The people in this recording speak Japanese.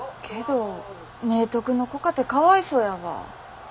けど明徳の子かてかわいそうやわ。